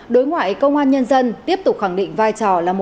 đối ngoại công an nhân dân tiếp tục khẳng định vai trò là một trung tâm